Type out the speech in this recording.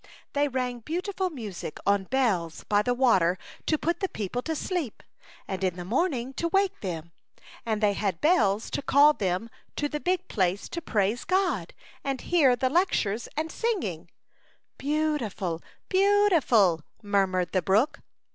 They rang beautiful music on bells by the water to put the people to sleep, and in the morn ing to wake them, and they had bells to call them to the big place to praise God, and hear the lectures and singing.'' A Chautauqua Idyl. 25 " Beautiful, beautiful," murmured the brook.